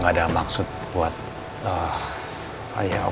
terima kasih ya